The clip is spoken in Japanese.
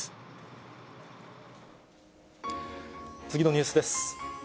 次のニュースです。